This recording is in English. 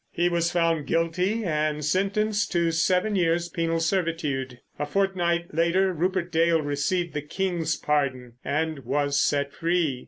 He was found guilty and sentenced to seven years' penal servitude. A fortnight later Rupert Dale received the King's pardon and was set free.